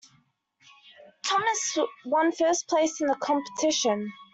Thomas one first place in the competition.